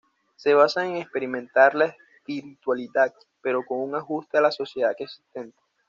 Se basan en experimentar la espiritualidad, pero con un ajuste a la sociedad existente.